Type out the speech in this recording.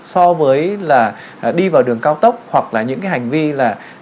so với là đi vào đường cao tốc hoặc là những cái hành vi là